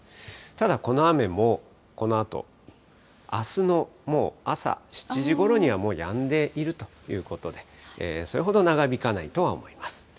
ただ、この雨もこのあと、あすのもう朝７時ごろにはもうやんでいるということで、それほど長引かないとは思います。